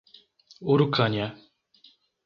Urucânia